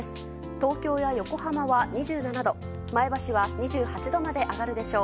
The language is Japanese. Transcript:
東京や横浜は２７度前橋は２８度まで上がるでしょう。